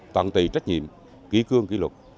tận tỷ trách nhiệm kỳ cương kỳ luật